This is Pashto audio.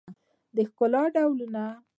د ښکلا ډولونه